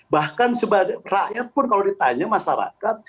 bahkan rakyat pun kalau ditanya masyarakat